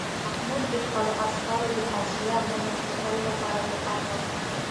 شاه محمود د خپلو عسکرو د حوصلې او نظم ساتلو لپاره کوښښ وکړ.